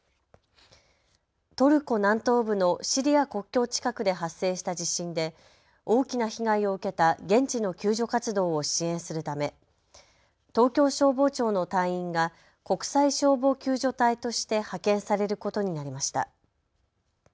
トルコ南東部のシリア国境近くで発生した地震で大きな被害を受けた現地の救助活動を支援するため東京消防庁の隊員が国際消防救助隊として派遣されることになりました。